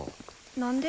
何で？